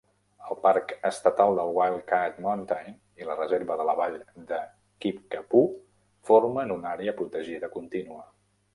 El parc estatal de Wildcat Mountain i la reserva de la vall de Kickapoo formen una àrea protegida contínua.